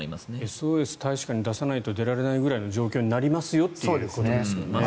ＳＯＳを大使館に出さないと出られないくらいの状況になりますよということですよね。